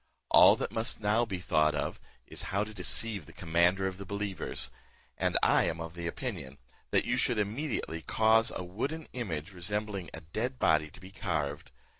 All that must now be thought of, is how to deceive the commander of the believers; and I am of opinion, that you should immediately cause a wooden image resembling a dead body to be carved.